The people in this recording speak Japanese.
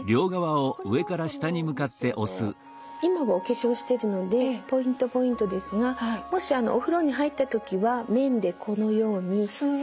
これももし今はお化粧してるのでポイントポイントですがもしお風呂に入った時は面でこのように。